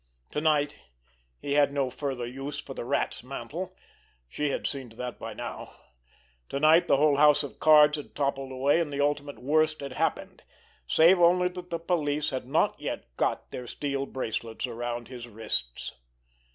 To night he had no further use for the Rat's mantle—she had seen to that by now. To night the whole house of cards had toppled anyway, and the ultimate worst had happened, save only that the police had not yet got their steel bracelets around his wrists.